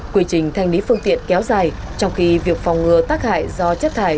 quy trình thanh lý phương tiện kéo dài trong khi việc phòng ngừa tác hại do chất thải